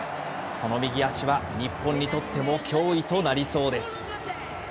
その右足は日本にとっても脅威となりそうです。